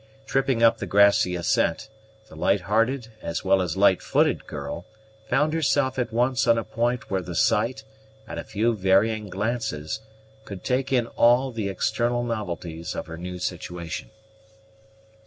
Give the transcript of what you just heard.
Tripping up the grassy ascent, the light hearted as well as light footed girl found herself at once on a point where the sight, at a few varying glances, could take in all the external novelties of her new situation.